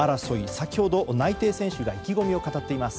先ほど、内定選手が意気込みを語っています。